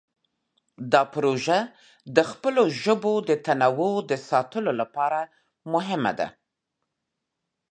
دا پروژه د خپلو ژبو د تنوع د ساتلو لپاره مهمه ده.